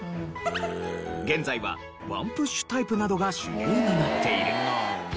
現在はワンプッシュタイプなどが主流になっている。